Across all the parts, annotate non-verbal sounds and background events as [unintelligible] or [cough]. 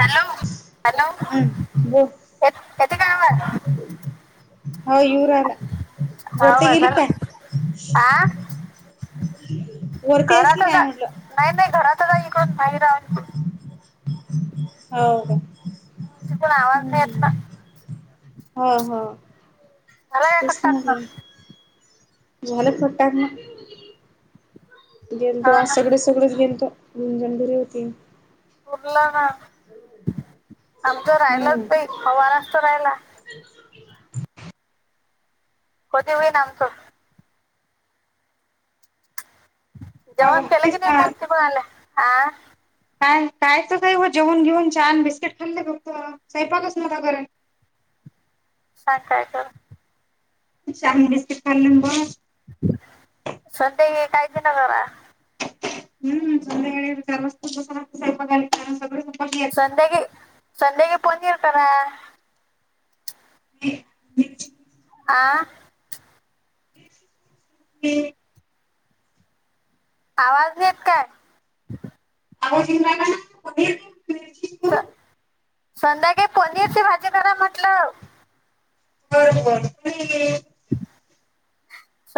Hello hello! ! हम्म [inaudible] हो युऊ राहिला हा बरते आवाज गेली काय आला वरती आहेस घरातच की काय हाय म्हटलं नाही नाही घरातच हाय इकून नाही रा हो का त्यामुळं आवाज नाही येत ना हा हा.. झाला काय तेच कट टाकणं म्हटल.. हो झालं [inaudible] गेलतो ना सगळेच सगळेच गेलतो जण भरी होती... बरलं ना आमचं राहिलाच हम्म नाही हवा [inaudible] राहिला होते होई [inaudible] जेवन केला की तेच नाही ना मूर्ती म्हणाले आ काय कायच काही हो जेवण घेऊन छान बिस्किट खाल्ले फक्त स्वयंपाकच नका करे [inaudible] चहा बिस्कीट खाल्ले आण गोळ्या. - [unintelligible] [inaudible] संध्याकाळी चार वाजताच बसायला लागते स्वयंपाकाला कारण सगळेच उपाशी [inaudible] [inaudible] आ ती आवाज येत काय [inaudible] [unintelligible] करू संध्याकाळी पनीरची भाजी करा म्हटलं. बरबर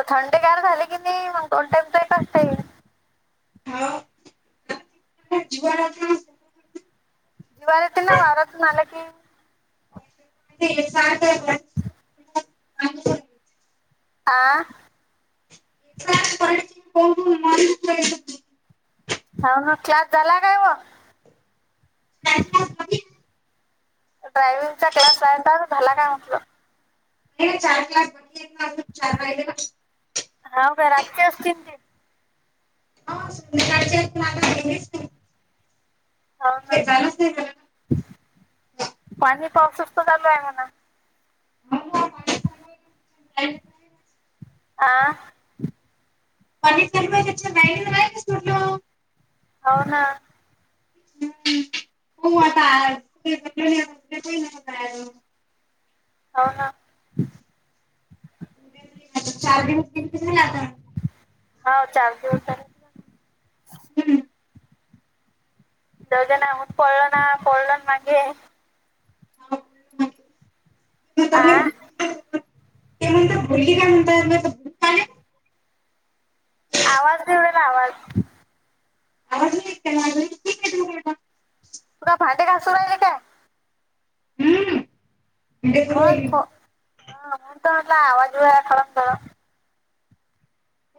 थंडेगार झाली की नाही मग दोन टाईम तर तेच असते. ह [inaudible] दिवाळीत ना वारातून आला की [inaudible] आ [inaudible] होन क्लास झाला काय वो [inaudible] ड्रायव्हिंगचा क्लास झाला काय म्हटलं नाही चार क्लास बाकी आहेत अजून चार राहिले बग ह बर आजचे असतील की [inaudible] [inaudible] हो ना हे झालंच नाही का? पाणी पावसच तर चालू आहे म्हण ह [inaudible] [inaudible] आ [inaudible] हो ना ह् हो आता आज [inaudible] [inaudible] हो ना चार दिवस [inaudible] आता हा चार दिवस झाले हम्म [inaudible] आ [inaudible] [inaudible] आवाज [inaudible] आवाज आवाज इत मारी [inaudible] तु काय, भांडेे घासू राहिले काय? हम्म. ते मो करू हा म राहिली त म्हटला आवाज खळम खळम. [inaudible]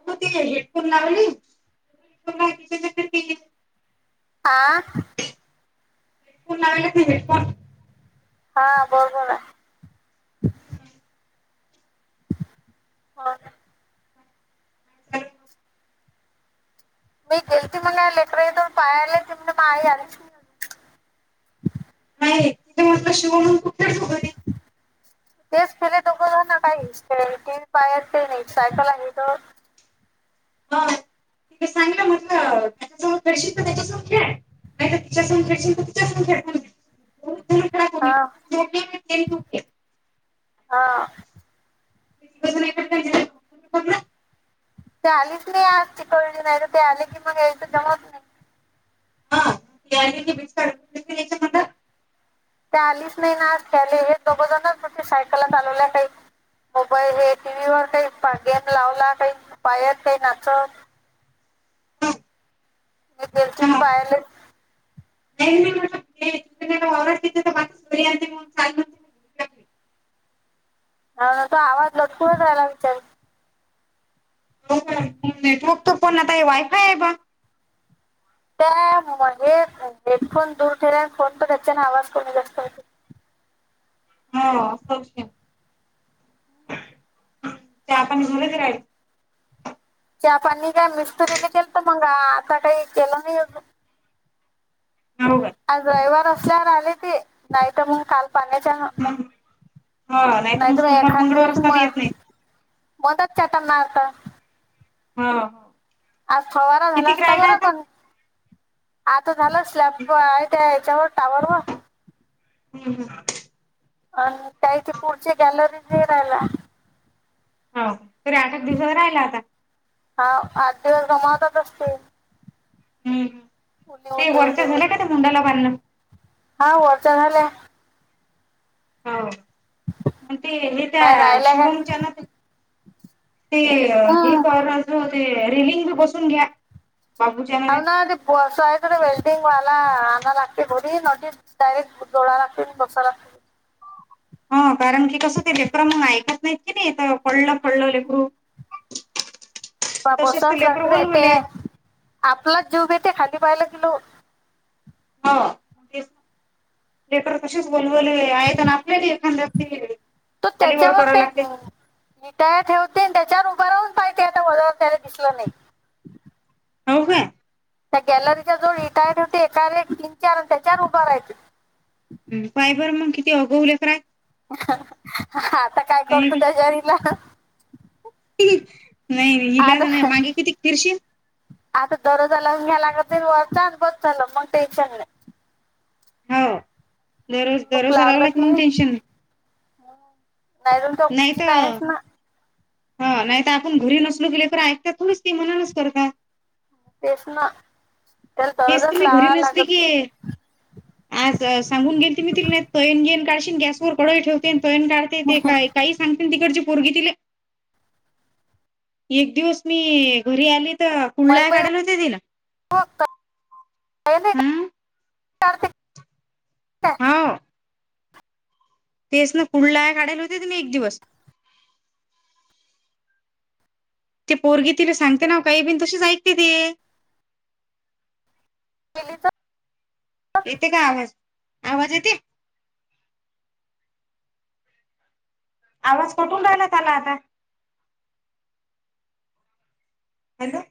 हो हेडफोन लावले हेडफोन. [inaudible] आ. हेडफोन लावेला का हेडफोन? [inaudible] हा बोल बोला. [inaudible] हम् [inaudible] हा. मी गेलती म्हण लेटरेतोन पाया आलाय की म या [inaudible] नाही तिथे म्हटलं शिवणून कुठे ठोरी. [unintelligible] ह [inaudible] तेच केले तोघ ना काही पायार ते नाही सायकल आहे तर. [inaudible] चांगलं म्हटलं त्याच्यासोबत दर्श तर त्याच्यासोत खेळ. [inaudible] नाही तिच्या खेळील तिच्याून खेळत हा खेळ. [inaudible] हा. बस झालं काहीतरी. [unintelligible] ते आलीच नाही आज त कळज नाही तर ते आले की मग यायच ज. [inaudible] पयाणीचे बिच. [inaudible] ते आलीच नाही ना खेले हे दोघंजणचे सायकलला चालवल्या काही. [inaudible] मोबाईल, हे टी व्ही वर काही गेम लावला, काही पायात, काही नाच. मी गेलती ना, पाहले. नाही त सोरी मल. [inaudible] ह ना तो आवाजला जायला विचार. [inaudible] नेटवर्क तो पण आता हे वायफाय आहे बा. त्या म, हेडफोन दूर ठेल्यान फोन तर त्याच्याने आवाज कोणी जास्त होते. [unintelligible] चहा पाणी काय मिस्तुरीला केलतं तर मंग आता काही केलं नाही अजून हो का आज रविवार असल्यावर आलेते, नाही तर मंग काल माहिती हाय म, मग हो नाही तर मग नाहीतर सोमवार एखाद मंगळवार दिस असतात येत मग नाही मदत चटनार त हां आज फवारा झाला असता बरं पण, आता झालं स्लॅब आहे त्या हेच्यावर टावर वर हम्म हम्म आणि कायं इथ पुढची गॅलरीज नाही राहिला हो, तरी आठ, आठ दिवसावर राहिला आता. हा, आठ दिवस गमावतच असतील. हम्म ते वरच्या झाल्या का ते मुंडाला बांधण [unintelligible] हा वरच झालंय. हो, आणि ते हे काय त्या राहिल्या काय शिवमच्या ना ते ते हे हम्म कर हो ते रेलिंग बी बसून घ्या. ह, ना ते बस रे वेल्डीिंग वाला आणाय लागते घरी ना ते डायरेट डोळा [unintelligible] हा कारण की कसं ते [unintelligible] म ऐकत नाहीत की नाही तर पडलं पडलं लेकरू तसेच बसून ते लेकरं सगळे ते बोलवले आहेत. आपलाच जीव घेते खाली पाहिला गेलो हो ते ते कर कशीच बोलवले आहे तर [unintelligible] तो त्याच्यावर ते विटाय ठेवते आणि त्याच्यावर उभं राहून पाहते आता व त्याला दिसलं नाही हाव का त्या गॅलरीच्या जवळ इटाय होते एकावर एक तीन चार त्याच्यावर उभ राहायच. हम्म पाय बरं मग किती आगव लेकर आहेत. आता काय नाही करतो का त्याच्यावर इलाज [unintelligible] नाही नाही इलाज आता नाही मागे किती खिरशी आता दरवाजा लावून घ्यावा लागत तरी [unintelligible] बस झाल मग टेशन नाही. हो दरवा दरवाजा लावला की मग टेन्शन नाही. [unintelligible] आहेच ना. हा नाही तर आपण घरी नसलो गेले तर ऐकतात थोडीच ती मनानच करतात. तेच ना त्याला हेच तर दरवाजच मी घरी लाववा नसली लागत की आज सांगून गेलती मी तिला तयण गेन काढशीलन गॅसवर कडई ठेवते आणि तयन काढते ते काय काही सांगतील तिकडची पोरगी तिले एक दिवस मी घरी आली तर मग कुडला बाई काढाला होते तिला काही नाही हम्म काढते हाव. तेच ना कुंडलाय काढायला होते मी एक दिवस ते पोरगी तिला सांगते ना काही बिन तसेच ऐकते ते केली तर येते का आवाज? आवाज येते? आवाज कट होऊन राहिला त्याला आता हॅलो.